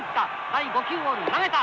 第５球を投げた。